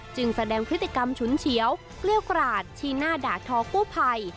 จึงแสดงพฤติกรรมฉุนเฉียวเกลี้ยวกราดชี้หน้าด่าทอกู้ภัย